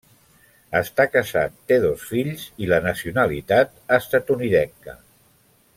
Està casat, té dos fills i la nacionalitat estatunidenca.